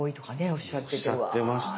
おっしゃってました。